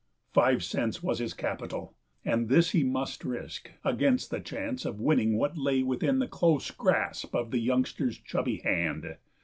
Five cents was his capital, and this he must risk against the chance of winning what lay within the close grasp of the youngster's chubby hand.